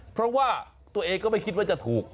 เพราะว่าตัวเองก็ไม่คิดว่าจะถูก